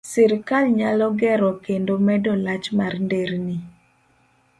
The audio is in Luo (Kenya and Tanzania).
Sirkal nyalo gero kendo medo lach mar nderni